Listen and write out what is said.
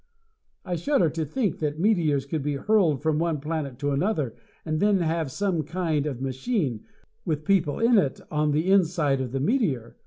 I shudder to think that meteors could be hurled from one planet to another and then have some kind of machine, with people in it, on the inside of the meteor.